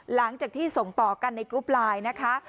หลังจากที่ส่งต่อกันในกรุ๊ปไลน์นะคะ